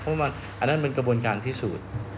เพราะว่าอันนั้นเป็นกระบวนการพิสูจน์